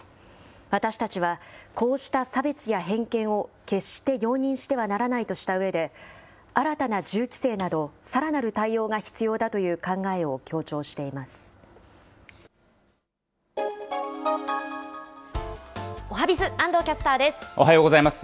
私たちはこうした差別や偏見を決して容認してはならないとしたうえで、新たな銃規制などさらなる対応が必要だという考えを強調しおはＢｉｚ、安藤キャスターおはようございます。